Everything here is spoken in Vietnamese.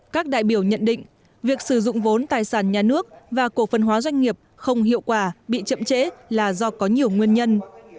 các đại biểu nhận định việc sử dụng vốn tài sản nhà nước và cổ phân hóa doanh nghiệp không hiệu quả bị chậm chế là do có nhiều nguyên nhân